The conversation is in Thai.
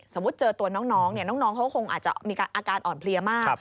เจอตัวน้องน้องเขาก็คงอาจจะมีอาการอ่อนเพลียมาก